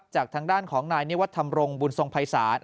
จากทางด้านของนายนิวัตรธรรมรงบุญทรงภัยศาล